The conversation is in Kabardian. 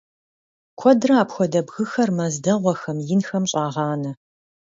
Куэдрэ апхуэдэ бгыхэр мэз дэгъуэхэм, инхэм щӀагъанэ.